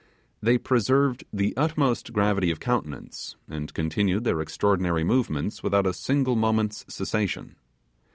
They preserved the utmost gravity of countenance, and continued their extraordinary movements without a single moment's cessation.